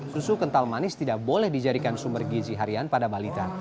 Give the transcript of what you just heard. susu kental manis tidak boleh dijadikan sumber gizi harian pada balita